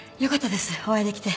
お会いできて。